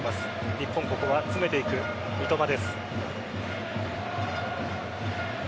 日本、ここは詰めていく三笘です。